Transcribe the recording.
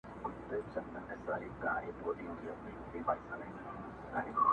ما را وړي ستا تر دره پلنډي پلنډي ګناهونه,